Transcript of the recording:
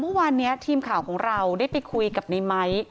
เมื่อวานนี้ทีมข่าวของเราได้ไปคุยกับในไม้